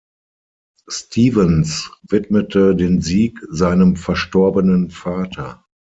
Stevens widmete den Sieg seinem verstorbenen Vater.